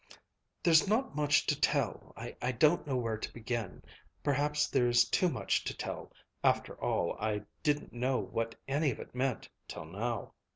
"There's not much to tell. I don't know where to begin. Perhaps there's too much to tell, after all, I didn't know what any of it meant till now.